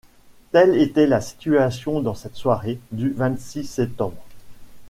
Telle était la situation dans cette soirée du vingt-six septembre.